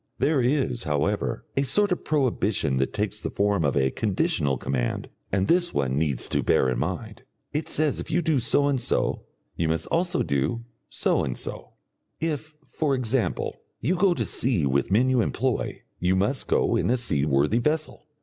There is, however, a sort of prohibition that takes the form of a conditional command, and this one needs to bear in mind. It says if you do so and so, you must also do so and so; if, for example, you go to sea with men you employ, you must go in a seaworthy vessel.